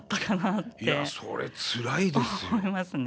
いやそれつらいですよ！